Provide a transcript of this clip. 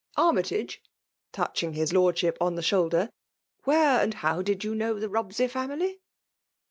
Armytage !'* touching his Lordship as tha shoulder^ '''where and how did you Icnow the Robsey family